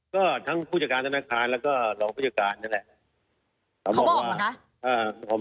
ก็ทั้งผู้จัดการธนาคารแล้วก็รองผู้จัดการนั่นแหละเขาบอกว่า